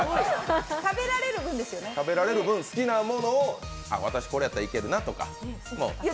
食べられる分、好きなものを私これやったらいけるなってものを。